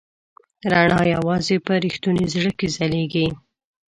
رڼا یواځې په رښتوني زړه کې ځلېږي.